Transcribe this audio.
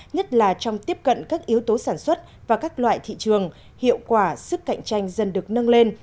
nhất là trong tiếp cận các yếu tố sản xuất và các loại thị trường hiệu quả sức cạnh tranh dần được nâng lên